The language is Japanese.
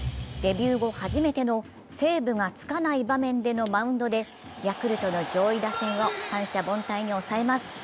デビュー後初めてのセーブがつかない場面でのマウンドでヤルクトの上位打線を三者凡退に抑えます。